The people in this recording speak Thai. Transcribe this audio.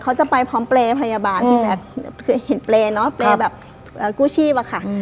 เขาจะไปพร้อมเปรย์พยาบาลพี่แจ๊คคือเห็นเปรย์เนอะเปรย์แบบกู้ชีพอะค่ะ